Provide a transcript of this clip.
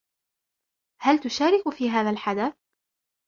هل تشارك في هذا الحدث ؟